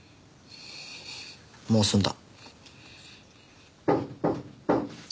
もう済んだ。